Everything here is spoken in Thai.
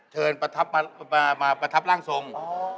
เฮ่ยแต่แม่จะมาทับแล้ว